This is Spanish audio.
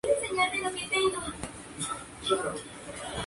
Fueron famosos los orfebres de Murviedro, especialmente los plateros.